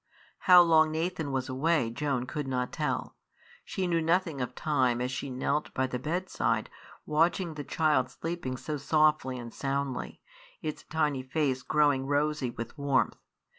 How long Nathan was away Joan could not tell. She knew nothing of time as she knelt by the bedside watching the child sleeping so softly and soundly, its tiny face growing rosy with warmth.